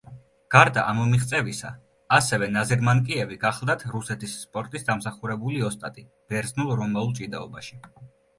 გარდა ამ მიღწევისა, ასევე ნაზირ მანკიევი გახლავთ რუსეთის სპორტის დამსახურებული ოსტატი ბერძნულ-რომაულ ჭიდაობაში.